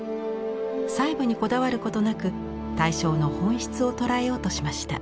細部にこだわることなく対象の本質を捉えようとしました。